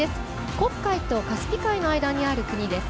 黒海とカスピ海の間にある国です。